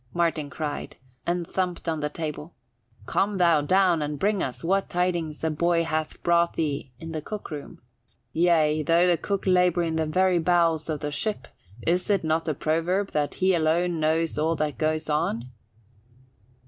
Martin cried, and thumped on the table. "Come thou down and bring us what tidings the boy hath brought thee in the cookroom. Yea, though the cook labour in the very bowels of the ship, is it not a proverb that he alone knows all that goes on?"